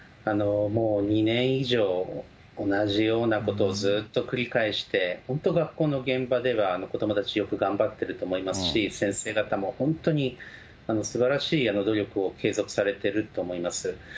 もう２年以上、同じようなことをずっと繰り返して、本当、学校の現場では子どもたち、よく頑張っていると思いますし、先生方も本当にすばらしい努力を継続されていると思います。